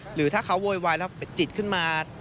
หรือถ้าเขาโวยวายแล้วจิตขึ้นมา